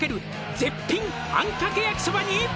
「絶品あんかけやきそばに」